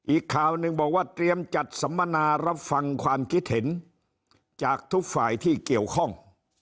อีกข่าวหนึ่งบอกว่าเตรียมจัดสัมมนารับฟังความคิดเห็นจากทุกฝ่ายที่เกี่ยวข้อง